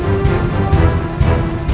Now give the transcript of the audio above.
aku akan menang